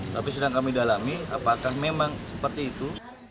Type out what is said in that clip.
tapi sedang kami dalami apakah memang seperti itu